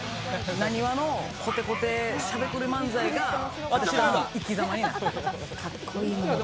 なにわのこてこてしゃべくり漫才が、私らの生きざまなんで。